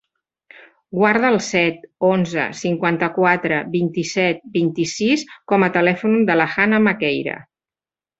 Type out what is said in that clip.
Guarda el set, onze, cinquanta-quatre, vint-i-set, vint-i-sis com a telèfon de la Hanna Maquieira.